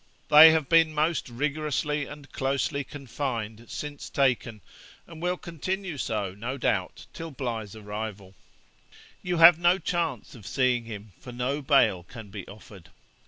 They have been most rigorously and closely confined since taken, and will continue so, no doubt, till Bligh's arrival. You have no chance of seeing him, for no bail can be offered.